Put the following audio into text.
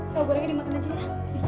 kalau gorengnya dimakan aja ya